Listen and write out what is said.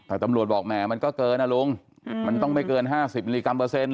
แต่ตำรวจบอกแหมมันก็เกินนะลุงมันต้องไม่เกิน๕๐มิลลิกรัมเปอร์เซ็นต